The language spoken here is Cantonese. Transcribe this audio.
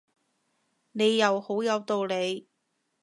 你又好有道理